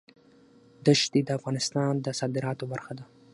دښتې د افغانستان د صادراتو برخه ده.